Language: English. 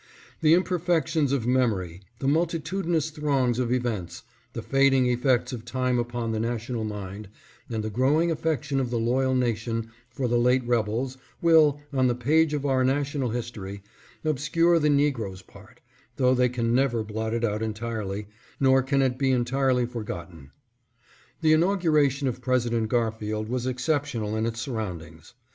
The imperfections of memory, the mul titudinous throngs of events, the fading effects of time upon the national mind, and the growing affection of the loyal nation for the late rebels, will, on the page of our national history, obscure the negro's part, though they can never blot it out entirely, nor can it be entirely forgotten. The inauguration of President Garfield was excep tional in its surroundings.